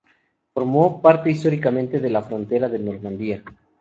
Formó parte históricamente de la frontera de Normandía.